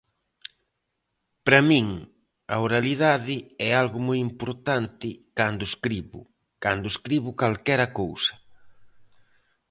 Para min a oralidade é algo moi importante cando escribo, cando escribo calquera cousa.